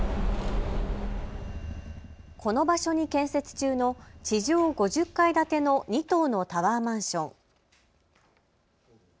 この場所に建設中の地上５０階建ての２棟のタワーマンション。